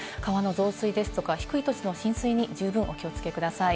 川の増水ですとか低い土地の浸水に十分お気をつけください。